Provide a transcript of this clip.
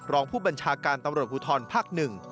รองผู้บัญชาการตำรวจบุธรภักดิ์หนึ่ง